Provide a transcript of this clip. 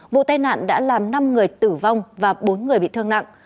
vụ tai nạn đã làm năm người tử vong và bốn người bị thương nặng